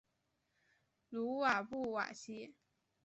鲁瓦布瓦西。